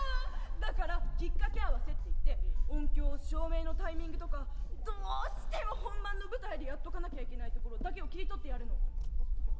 だからきっかけ合わせっていって音響照明のタイミングとかどうしても本番の舞台でやっとかなきゃいけないところだけを切り取ってやるの。